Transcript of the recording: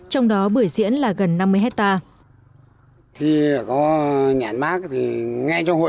trong đó bưởi diễn là gần năm mươi hectare